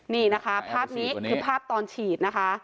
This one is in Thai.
นี่นะคะภาพนี้คือภาพตอนฉีดนะคะ